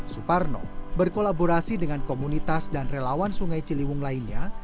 suparno berkolaborasi dengan komunitas dan relawan sungai ciliwung lainnya